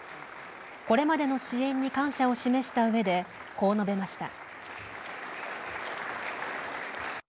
これまでの支援に感謝を示したうえでこう述べました。